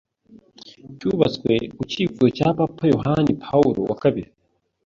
cyubatswe ku cyifuzo cya Papa Yohani Pawulo wa kabiri